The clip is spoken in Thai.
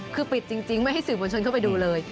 คือปิดจริงไม่ให้สื่อมวลชนเข้าไปดูเลย